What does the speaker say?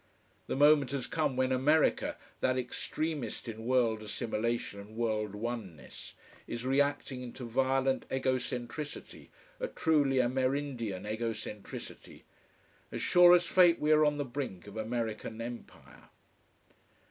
The moment has come when America, that extremist in world assimilation and world oneness, is reacting into violent egocentricity, a truly Amerindian egocentricity. As sure as fate we are on the brink of American empire.